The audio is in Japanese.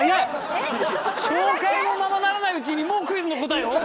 紹介もままならないうちにもうクイズの答えを？